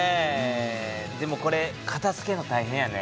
でもこれかたづけるの大変やね。